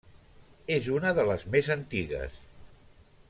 És una de les més antigues.